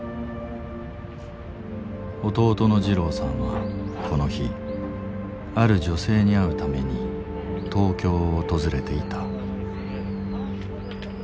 弟の二郎さんはこの日ある女性に会うために東京を訪れていた。